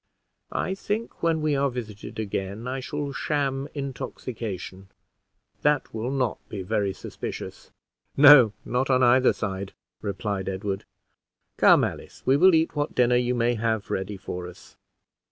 I think when we are visited again I shall sham intoxication that will not be very suspicious." "No, not on either side," replied Edward. "Come, Alice, we will eat what dinner you may have ready for us."